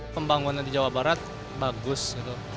pembangunan di jawa barat bagus gitu